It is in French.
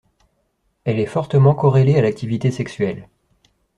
Elle est fortement corrélée à l'activité sexuelle.